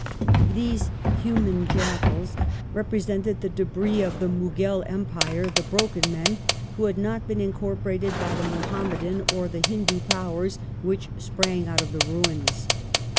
These "human jackals" represented the " debris of the Mughal Empire, the broken men who had not been incorporated by the Muhammadan or the Hindu powei s which sprang out of its ruins